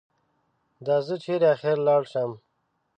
دا زه چېرې اخر لاړ شم؟